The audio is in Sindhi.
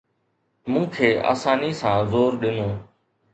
مون کي آساني سان زور ڏنو